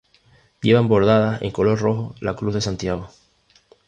Llevan bordadas en color rojo la Cruz de Santiago.